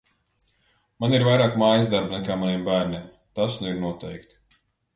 Man ir vairāk mājasdarbu nekā maniem bērniem, tas nu ir noteikti.